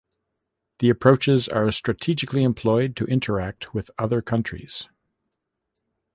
The approaches are strategically employed to interact with other countries.